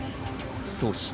そして。